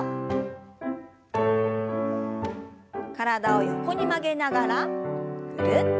体を横に曲げながらぐるっと。